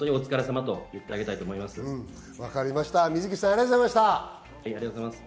水口さん、ありがとうございました。